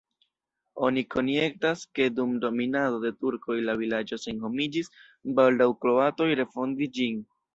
Oni konjektas, ke dum dominado de turkoj la vilaĝo senhomiĝis, baldaŭ kroatoj refondis ĝin.